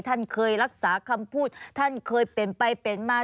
ท่านเคยรักษาคำพูดท่านเคยเป็นไปเป็นมา